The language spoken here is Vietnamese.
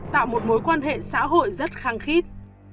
tạo một mối quan hệ xã hội rất khăng khít